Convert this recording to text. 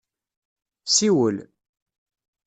Siwel.